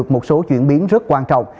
một số chuyển biến rất quan trọng